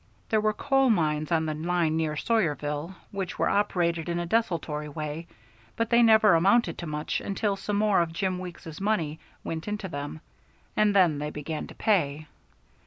There were coal mines on the line near Sawyerville, which were operated in a desultory way, but they never amounted to much until some more of Jim Weeks's money went into them, and then they began to pay.